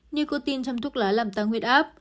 như có tin trong thuốc lá làm tăng huyết áp